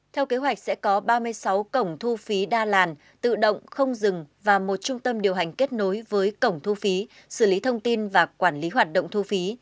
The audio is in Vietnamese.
theo kế hoạch sẽ có ba mươi sáu cổng thu phí đa làn tự động không dừng và một trung tâm điều hành kết nối với cổng thu phí xử lý thông tin và quản lý hoạt động thu phí